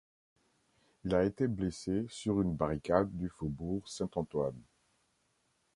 Il a été blessé sur une barricade du Faubourg-Saint-Antoine.